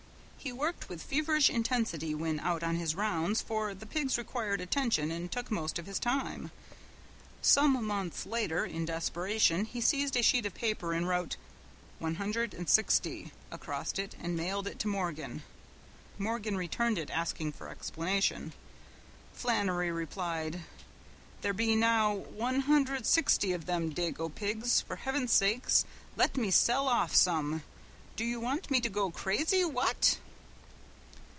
He worked with feverish intensity when out on his rounds, for the pigs required attention and took most of his time. Some months later, in desperation, he seized a sheet of paper and wrote "160" across it and mailed it to Morgan. Morgan returned it asking for explanation. Flannery replied: "There be now one hundred sixty of them dago pigs, for heavens sake let me sell off some, do you want me to go crazy, what."